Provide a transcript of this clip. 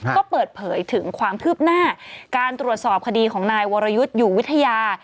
ก็เปิดเผยถึงความคืบหน้าการตรวจสอบคดีของนายวรยุทธ์อยู่วิทยา